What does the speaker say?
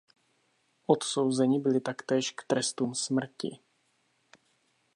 Odsouzeni byli taktéž k trestům smrti.